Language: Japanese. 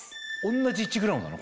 同じ１ｇなの？